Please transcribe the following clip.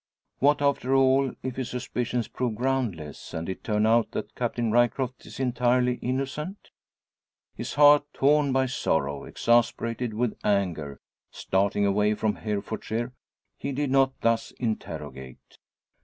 What, after all, if his suspicions prove groundless, and it turn out that Captain Ryecroft is entirely innocent? His heart, torn by sorrow, exasperated with anger, starting away from Herefordshire he did not thus interrogate.